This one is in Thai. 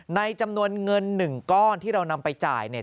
จำนวนเงิน๑ก้อนที่เรานำไปจ่ายเนี่ย